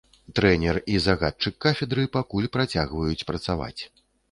Трэнер і загадчык кафедры пакуль працягваюць працаваць.